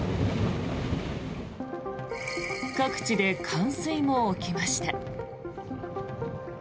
各地で冠水も起きました。